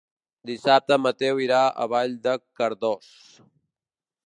Dissabte en Mateu irà a Vall de Cardós.